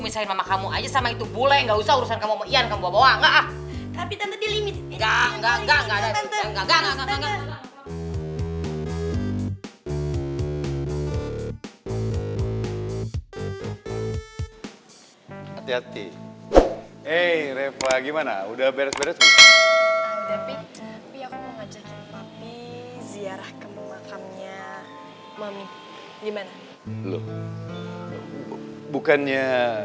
sampai jumpa di video selanjutnya